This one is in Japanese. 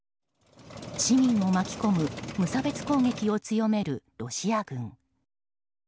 市民を巻き込む無差別攻撃を強めるロシア軍。